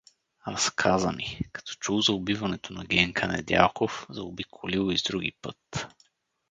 — Разказа ми: като чул за убиването на Генка Недялков, заобиколил из други път.